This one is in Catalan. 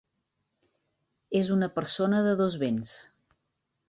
És una persona de dos vents.